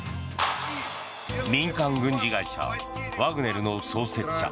民間軍事会社ワグネルの創設者